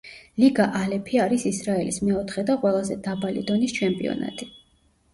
ლიგა ალეფი არის ისრაელის მეოთხე და ყველაზე დაბალი დონის ჩემპიონატი.